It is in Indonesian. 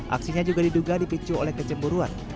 aksinya juga diduga dipicu oleh kecemburuan